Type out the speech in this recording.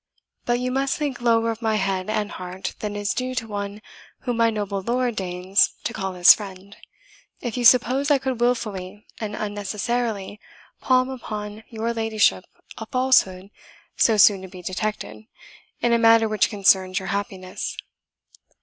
But you must think lower of my head and heart than is due to one whom my noble lord deigns to call his friend, if you suppose I could wilfully and unnecessarily palm upon your ladyship a falsehood, so soon to be detected, in a matter which concerns your happiness."